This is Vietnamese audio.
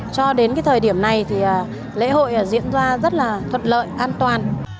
cho đến thời điểm này thì lễ hội diễn ra rất là thuật lợi an toàn